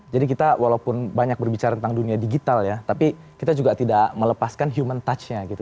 jadi kita walaupun banyak berbicara tentang dunia digital ya tapi kita juga tidak melepaskan human touchnya gitu